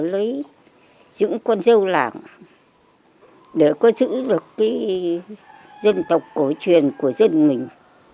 lấy những con dâu làng để có giữ được cái dân tộc cổ truyền của dân mình